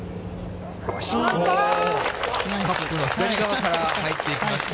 カップの左側から入っていきました。